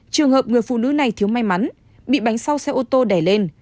trường hợp người phụ nữ này thiếu may mắn bị bánh sau xe ô tô đẻ lên